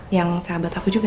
yang sahabat aku juga